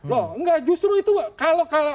loh enggak justru itu kalau